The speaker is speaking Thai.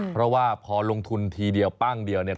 เพราะว่าพอลงทุนทีเดียวปั้งเดียวเนี่ย